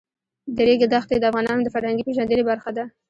د ریګ دښتې د افغانانو د فرهنګي پیژندنې برخه ده.